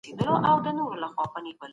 کارپوهان به مهم بحثونه پرمخ وړي.